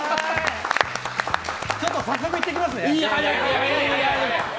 ちょっと早速、行ってきますね！